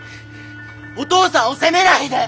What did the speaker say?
お父さんを責めないで！